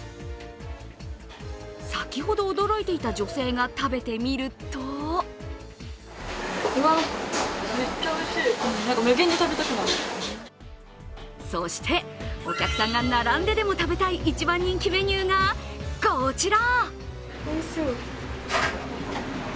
先ほど驚いていた女性が食べてみるとそして、お客さんが並んでも食べたい一番人気メニューがこちら！